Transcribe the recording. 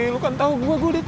lu kan tau gua gue ditobat